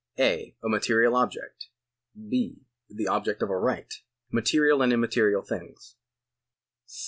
(a) A material object. {h) The object of a right. Material and immaterial things.